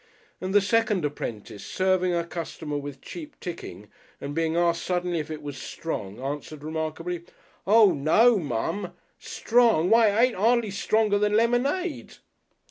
And the second apprentice, serving a customer with cheap ticking, and being asked suddenly if it was strong, answered remarkably, "Oo! no, mum! Strong! Why it ain't 'ardly stronger than lemonade...."